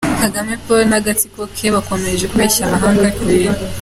Kagame Paul n’agatsiko ke bakomeje kubeshya amahanga ko ibintu